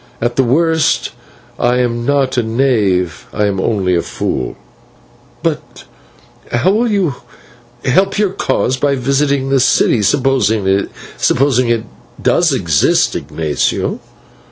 At the worst, I am not a knave, I am only a fool." "But how will you help your cause by visiting this city, supposing it to exist, Ignatio?"